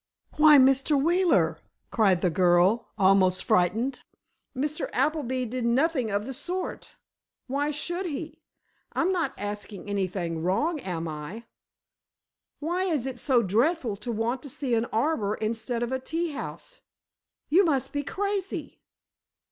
"Why, Mr. Wheeler," cried the girl, almost frightened, "Mr. Appleby did nothing of the sort! Why should he! I'm not asking anything wrong, am I? Why is it so dreadful to want to see an arbor instead of a tea house? You must be crazy!"